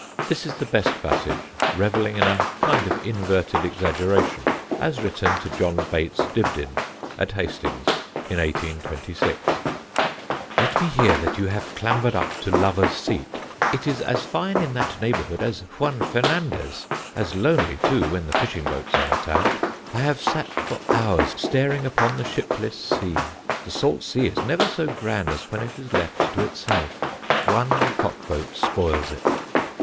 This is the best passage, revelling in a kind of inverted exaggeration, as written to John Bates Dibdin, at Hastings, in 1826: "Let me hear that you have clamber'd up to Lover's Seat; it is as fine in that neighbourhood as Juan Fernandez, as lonely too, when the Fishing boats are not out; I have sat for hours, staring upon the shipless sea. The salt sea is never so grand as when it is left to itself. One cock boat spoils it.